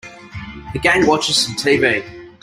The gang watches some TV.